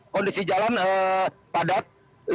kondisi jalan padat